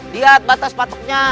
liat batas patoknya